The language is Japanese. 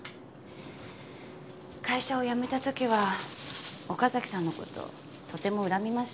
会社を辞めた時は岡崎さんの事とても恨みました。